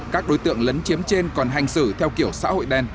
các đối tượng lấn chiếm trên còn hành xử theo kiểu xã hội đen